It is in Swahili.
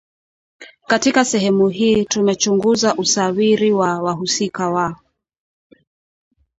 Katika sehemu hii tumechunguza usawiri wa wahusika wa